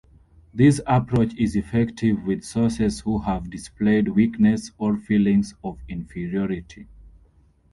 This approach is effective with sources who have displayed weakness or feelings of inferiority.